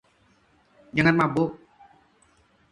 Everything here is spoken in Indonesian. Jangan mabuk!